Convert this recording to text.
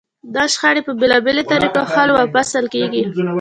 دا شخړې په بېلابېلو طریقو حل و فصل کېږي.